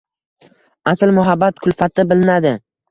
Asl muhabbat kulfatda bilinadi.